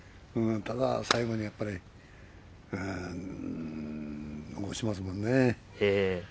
ただ最後にやっぱり残しますもんね。